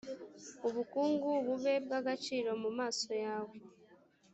ubukungu bube bw agaciro mu maso yawe